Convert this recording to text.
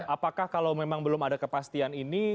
apakah kalau memang belum ada kepastian ini